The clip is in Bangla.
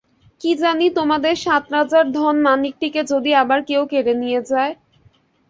কী জানি, তোমার সাত রাজার ধন মানিকটিকে যদি আর কেউ কেড়ে নিয়ে যায়।